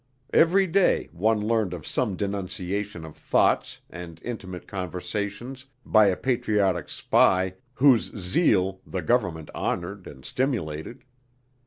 Every day one learned of some denunciation of thoughts and intimate conversations by a patriotic spy whose zeal the government honored and stimulated.